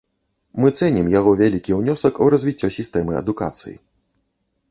Мы цэнім яго вялікі ўнёсак у развіццё сістэмы адукацыі.